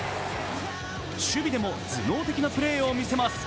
守備でも頭脳的なプレーを見せます。